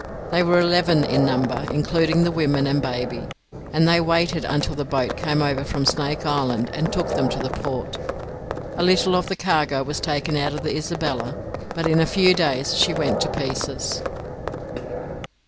They were eleven in number, including the women and baby, and they waited until the boat came over from Snake Island and took them to the port. A little of the cargo was taken out of the 'Isabella', but in a few days she went to pieces.